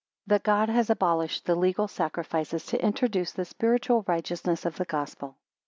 That God has abolished the legal sacrifices, to introduce the spiritual righteousness of the Gospel.